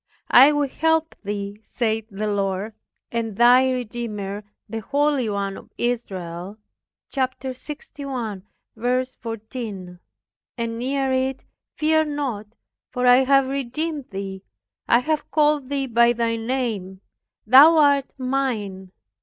I will help thee saith the Lord, and thy Redeemer, the holy one of Israel." (Chap. 61:14) and near it, "Fear not; for I have redeemed thee, I have called thee by thy name; thou art mine.